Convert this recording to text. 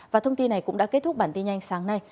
và thông tin này cũng đã kết thúc bản tin nhanh sáng nay